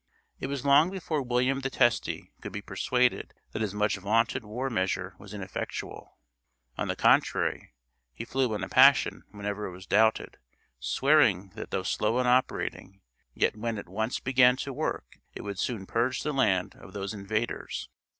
It was long before William the Testy could be persuaded that his much vaunted war measure was ineffectual; on the contrary, he flew in a passion whenever it was doubted, swearing that though slow in operating, yet when it once began to work it would soon purge the land of those invaders.